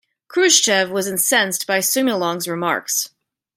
Khrushchev was incensed by Sumulong's remarks.